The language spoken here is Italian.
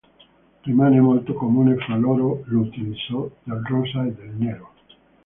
Rimane molto comune fra loro l'utilizzo del rosa e del nero.